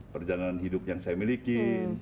perjalanan hidup yang saya miliki